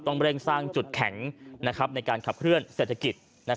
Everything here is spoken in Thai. เร่งสร้างจุดแข็งในการขับเคลื่อนเศรษฐกิจ